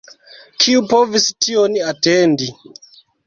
Kiu povis tion atendi!